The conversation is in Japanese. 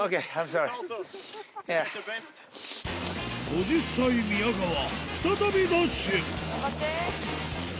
５０歳宮川再びダッシュ頑張って！